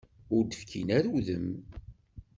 Ur d-fkin ara udem.